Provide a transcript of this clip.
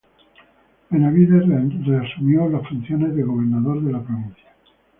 Benavídez reasumió las funciones de gobernador de la provincia.